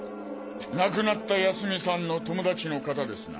亡くなった泰美さんの友達の方ですな？